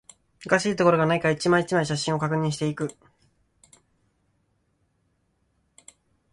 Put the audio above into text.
おかしいところがないか、一枚、一枚、写真を確認していく